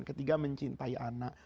ketiga mencintai anak